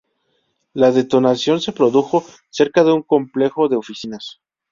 La detonación se produjo cerca de un complejo de oficinas.